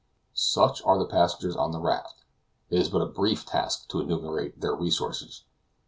Such are the passengers on the raft; it is but a brief task to enumerate their resources.